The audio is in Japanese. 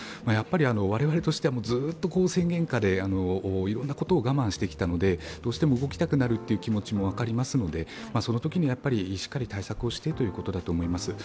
我々としては、ずっと宣言下でいろんなことを我慢してきたのでどうしても、動きたくなる気持ちも分かりますのでそのときにしっかり対策をしてということだと思います。